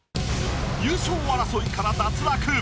優勝争いから脱落！